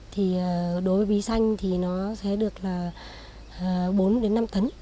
thì đối với bí xanh thì nó sẽ được là bốn đến năm tấn